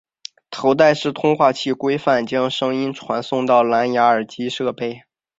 头戴式通话器规范将声音传送到蓝芽耳机设备。